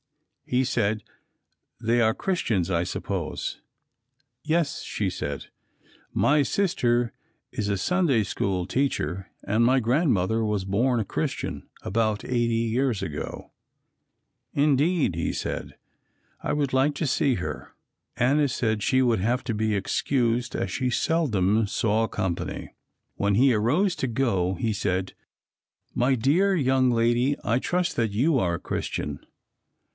He said, "They are Christians, I suppose." "Yes," she said, "my sister is a S. S. teacher and my Grandmother was born a Christian, about 80 years ago." "Indeed," he said. "I would like to see her." Anna said she would have to be excused as she seldom saw company. When he arose to go he said, "My dear young lady, I trust that you are a Christian."